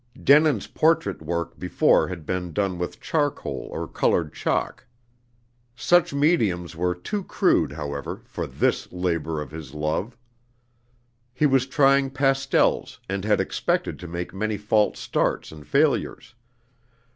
Denin's portrait work before had been done with charcoal or colored chalk. Such mediums were too crude, however, for this labor of his love. He was trying pastels, and had expected to make many false starts and failures.